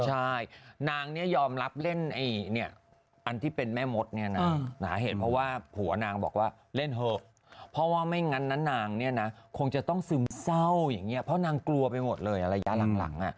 ใช่นางเนี่ยยอมรับเล่นอันที่เป็นแม่มดเนี่ยนะสาเหตุเพราะว่าผัวนางบอกว่าเล่นเถอะเพราะว่าไม่งั้นนะนางเนี่ยนะคงจะต้องซึมเศร้าอย่างนี้เพราะนางกลัวไปหมดเลยระยะหลัง